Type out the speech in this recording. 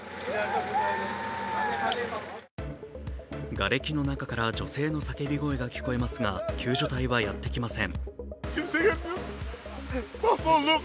がれきの中から女性の叫び声が聞こえますが、救助隊はやってきません。